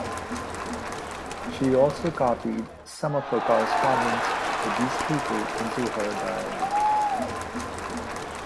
She also copied some of her correspondence with these people into her diary.